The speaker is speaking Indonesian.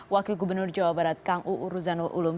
wakil gubernur jawa barat kang u uruzano ulum